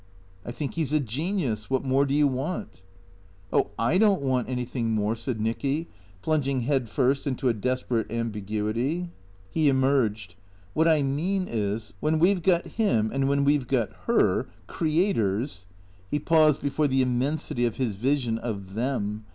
" I think he 's a genius. What more do you want ?"" Oh, / don't want anything more," said Nicky, plunging head first into a desperate ambiguity. He emerged. " WHiat I mean is, when we 've got Him, and when we 've got Her — crea tors " He paused before the immensity of his vision of Them.